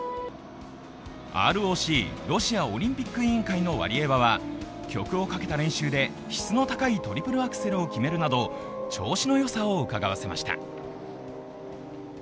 ＲＯＣ＝ロシアオリンピック委員会のワリエワは曲をかけた練習で質の高いトリプルアクセルを決めるなど調子のよさを伺わせました。